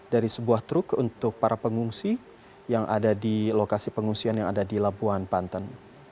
dari sebuah truk untuk para pengungsi yang ada di lokasi pengungsian yang ada di labuan banten